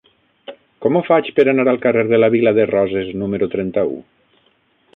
Com ho faig per anar al carrer de la Vila de Roses número trenta-u?